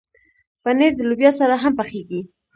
پنېر د لوبیا سره هم پخېږي.